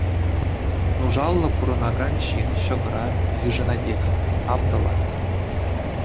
Нушаллӑ пурӑнакан ҫын ҫӑкӑра йышӑнатех, тав тӑвать.